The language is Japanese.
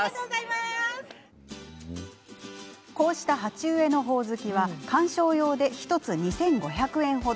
こうした鉢植えのほおずきは観賞用で１つ２５００円程。